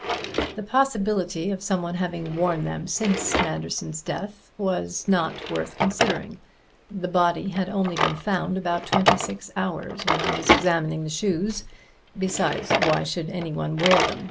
The possibility of someone having worn them since Manderson's death was not worth considering; the body had only been found about twenty six hours when I was examining the shoes; besides, why should any one wear them?